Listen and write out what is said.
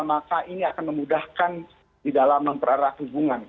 maka ini akan memudahkan di dalam memperarat hubungan